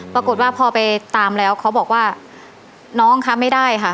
ปรากฏว่าพอไปตามแล้วเขาบอกว่าน้องคะไม่ได้ค่ะ